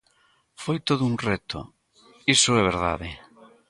Foi todo un reto, iso é verdade.